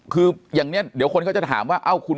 คืออย่างนี้เดี๋ยวคนเขาจะถามว่า